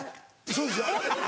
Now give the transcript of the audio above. そうですよ。